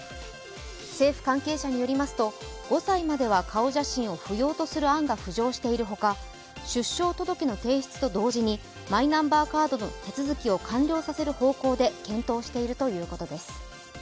政府関係者によりますと５歳までは顔写真を不要とする案が浮上しているほか出生届の提出と同時にマイナンバーカードの手続きを完了させる方向で検討しているということです。